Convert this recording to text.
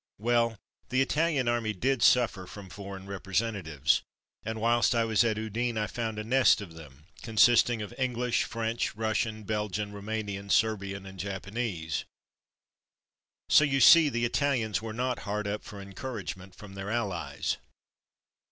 Well, the Italian Army did suffer from foreign representatives, and whilst I was at Udine I found a nest of them consisting of English, French, Russian, Belgian, Roumanian, Ser bian, and Japanese. So you see the Italians were not hard up for encouragement from their Allies.